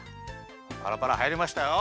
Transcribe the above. パラパラはいりましたよ。